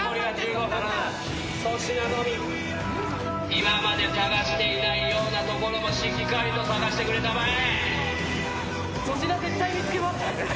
今まで捜していないようなところもしっかりと捜してくれたまえ。